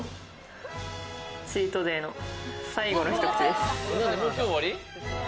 チートデイの最後の一口です。